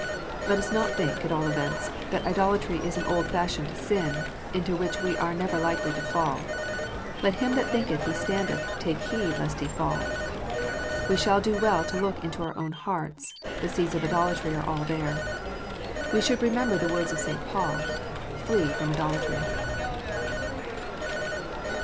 Let us not think, at all events, that idolatry is an old fashioned sin, into which we are never likely to fall. " Let him that thinketh he standeth, take heed lest he fall." We shall do well to look into our own hearts : the seeds of idolatry are all there. We should remember the words of St. Paul :" Flee from idolatry."